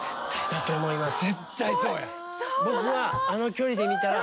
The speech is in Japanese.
あの距離で見たら。